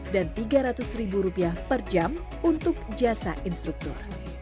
dan tiga ratus ribu rupiah per jam untuk jasa instruktur